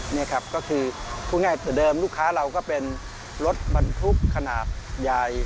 นี่ครับก็คือพูดง่ายแต่เดิมลูกค้าเราก็เป็นรถบรรทุกขนาดใหญ่